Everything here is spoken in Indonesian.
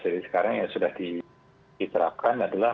jadi sekarang yang sudah diterapkan adalah